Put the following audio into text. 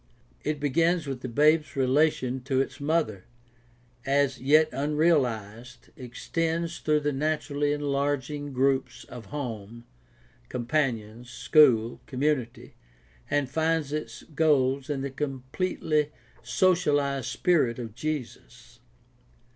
It begins with the babe's relation to its mother, as yet unrealized, extends through the naturally enlarging groups of home, companions, school, community, and finds its goal in the completely sociahzed spirit of Jesus.